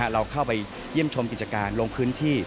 เราเข้าไปเยี่ยมชมกิจการลงพื้นที่